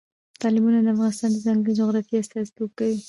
تالابونه د افغانستان د ځانګړې جغرافیې استازیتوب کوي.